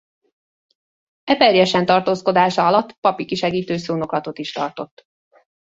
Eperjesen tartózkodása alatt papi kisegítő szónoklatot is tartott.